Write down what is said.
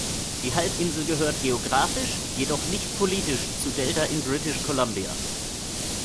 Die Halbinsel gehört geographisch, jedoch nicht politisch, zu Delta in British Columbia.